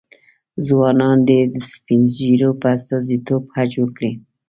ځوانان دې د سپین ږیرو په استازیتوب حج وکړي.